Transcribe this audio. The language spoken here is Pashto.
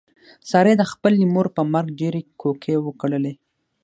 سارې د خپلې مور په مرګ ډېرې کوکې وکړلې.